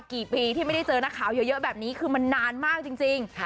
กี่ปีที่ไม่ได้เจอนักข่าวเยอะแบบนี้คือมันนานมากจริง